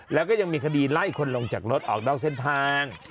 แล้วก็ยังมีคดีไล่คนลงจากรถออกนอกเส้นทาง